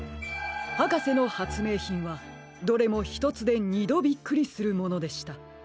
はかせのはつめいひんはどれもひとつでにどびっくりするものでした。